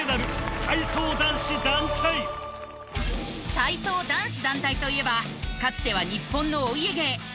体操男子団体といえばかつては日本のお家芸。